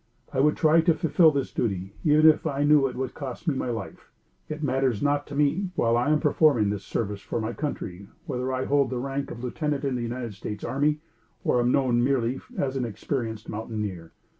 I would try to fulfill this duty even if I knew it would cost me my life. It matters not to me, while I am performing this service for my country, whether I hold the rank of a lieutenant in the United States army, or am known merely as an experienced mountaineer.